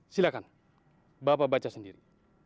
silakan bapak baca sendiri